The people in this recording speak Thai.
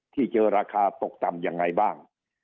ที่เจอราคาตกต่ำยังไงบ้าง